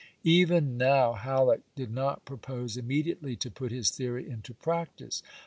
Even now Halleck did not propose immediately to put his theory into practice.